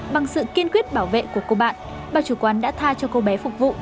bằng sự kiên quyết bảo vệ của cô bạn bà chủ quán đã tha cho cô bé phục vụ